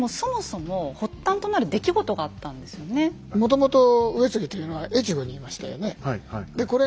もともと上杉というのは越後にいましたよね。